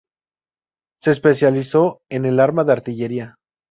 Se especializó en el arma de artillería.